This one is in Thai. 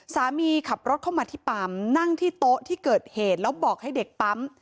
ขับรถเข้ามาที่ปั๊มนั่งที่โต๊ะที่เกิดเหตุแล้วบอกให้เด็กปั๊ม